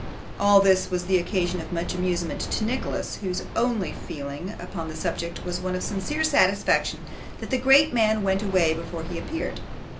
All this was the occasion of much amusement to Nicholas, whose only feeling upon the subject was one of sincere satisfaction that the great man went away before he appeared.